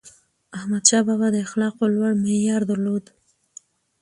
احمدشاه بابا د اخلاقو لوړ معیار درلود.